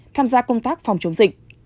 tham gia công tác phòng chống dịch